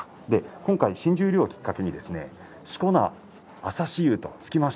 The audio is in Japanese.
今回、新十両をきっかけにしこ名を朝志雄と。